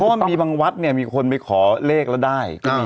เพราะว่ามีบางวัดเนี่ยมีคนไปขอเลขแล้วได้